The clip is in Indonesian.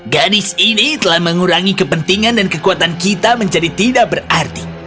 gadis ini telah mengurangi kepentingan dan kekuatan kita menjadi tidak berarti